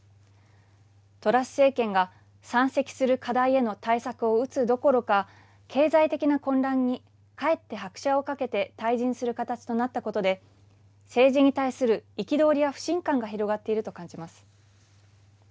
トラス政権が山積する課題への対策を打つどころか、経済的な混乱にかえって拍車をかけて退陣する形となったことで政治に対する憤りや不信感が広がっていると感じます。